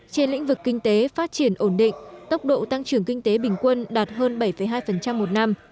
trên lĩnh vực kinh tế phát triển ổn định tốc độ tăng trưởng kinh tế bình quân đạt hơn bảy hai một năm